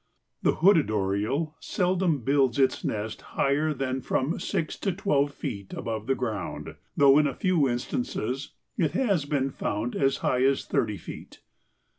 The Hooded Oriole seldom builds its nest higher than from six to twelve feet above the ground, though in a few instances it has been found as high as thirty feet.